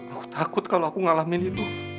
aku takut kalau aku ngalamin itu